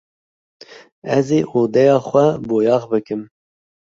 Ez ê odeya xwe boyax bikim.